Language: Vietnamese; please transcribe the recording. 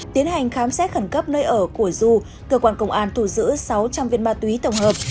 tiến hành khám xét khẩn cấp nơi ở của du cơ quan công an thu giữ sáu trăm linh viên ma túy tổng hợp